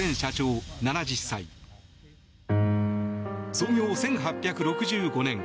創業１８６５年。